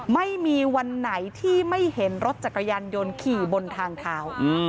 ไม่มีวันไหนที่ไม่เห็นรถจักรยานยนต์ขี่บนทางเท้า